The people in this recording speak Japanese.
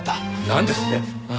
なんですって！？